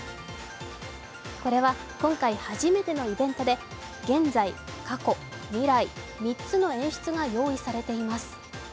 これは今回初めてのイベントで、現在・過去・未来、３つの演出が用意されています。